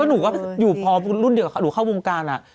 หนูก็อยู่พอรุ่นเดียวกับหนูเข้าวงการ